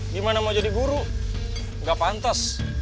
gimana mau jadi guru nggak pantas